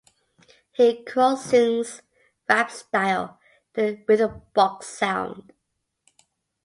Here Krause sings rap-style to a rhythm box sound.